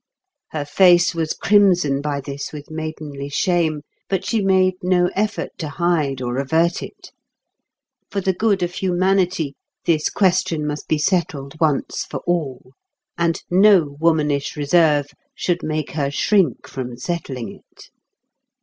Her face was crimson by this with maidenly shame; but she made no effort to hide or avert it. For the good of humanity, this question must be settled once for all; and no womanish reserve should make her shrink from settling it.